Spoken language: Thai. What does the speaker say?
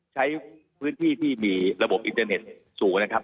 ใช้พื้นที่ที่มีระบบอินเทอร์เน็ตสูงนะครับ